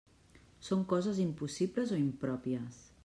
Són coses impossibles, o impròpies.